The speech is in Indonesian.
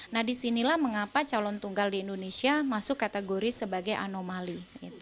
nah disinilah mengapa calon tunggal di indonesia masuk kategori sebagai anomali